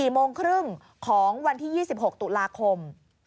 ๔โมงครึ่งของวันที่๒๖ตุลาคม